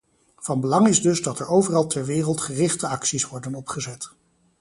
Van belang is dus dat er overal ter wereld gerichte acties worden opgezet.